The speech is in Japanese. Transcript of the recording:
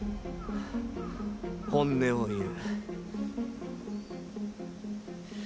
本音を言う。